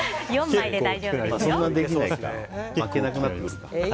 ４枚で大丈夫ですよ。